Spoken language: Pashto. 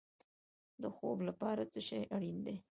د خوب لپاره څه شی اړین دی؟